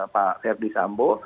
pak ferdis sambo